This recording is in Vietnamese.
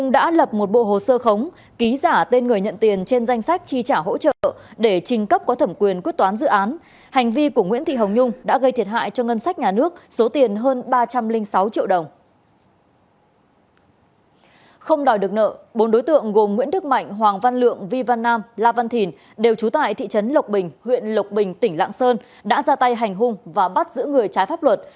điều trú tại thị trấn lộc bình huyện lộc bình tỉnh lạng sơn đã ra tay hành hung và bắt giữ người trái pháp luật